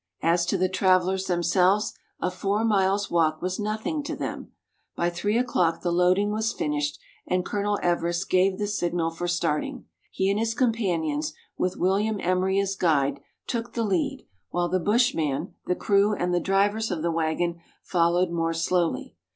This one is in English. As to the travellers themselves, a four miles' walk was nothing to them. By three o'clock the loading was finished, and Colonel Everest gave the signal for starting. He and his companions, with William Emery as guide, took the lead, while the bushman, the crew, and the drivers of the waggon followed more slowly.